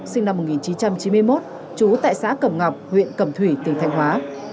sinh năm một nghìn chín trăm chín mươi một trú tại xã cẩm ngọc huyện cẩm thủy tỉnh thanh hóa